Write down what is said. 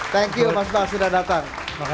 thank you mas bas sudah datang